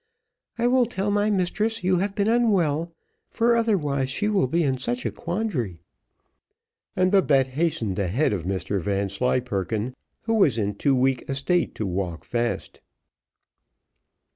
I will tell my mistress you have been unwell, for otherwise she will be in such a quandary;" and Babette hastened ahead of Mr Vanslyperken, who was in too weak a state to walk fast.